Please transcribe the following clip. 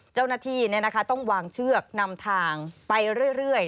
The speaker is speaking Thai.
เจ้าหน้าที่ต้องวางเชือกนำทางไปเรื่อย